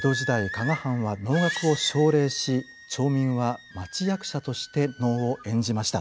加賀藩は能楽を奨励し町民は町役者として能を演じました。